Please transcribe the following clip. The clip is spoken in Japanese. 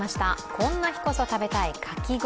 こんな日こそ食べたいかき氷。